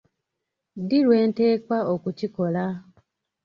Ddi lwenteekwa okukikola?